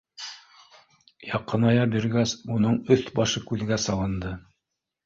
Яҡыная биргәс, уның өҫ-башы күҙгә салынды.